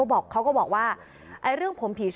วิทยาลัยศาสตรี